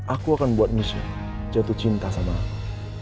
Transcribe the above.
aku akan buat nyusun jatuh cinta sama aku